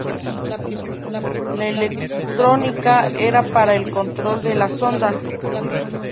La electrónica era para el control de la sonda.